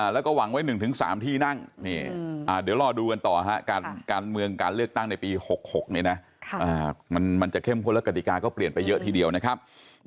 แล้วก็หวังไว้๑๓ที่นั่งเดี๋ยวรอดูกันต่อการเมืองการเลือกตั้งในปี๖๖นี้นะมันจะเข้มข้นและกฎิกาก็เปลี่ยนไปเยอะทีเดียวนะครับ